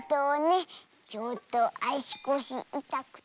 ちょっとあしこしいたくてねえ。